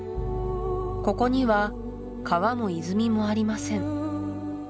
ここには川も泉もありません